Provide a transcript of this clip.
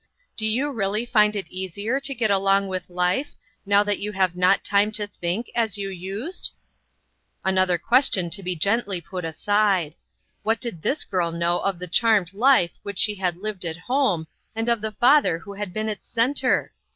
Do you really find it easier to get along with life, now that you have not time to think, as you used ?" Another question to be gently put aside. What did Vthis girl know of the charmeJ life which she had lived at home, and of the father who had been its centre